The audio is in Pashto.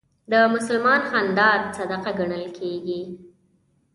د مسلمان خندا صدقه ګڼل کېږي.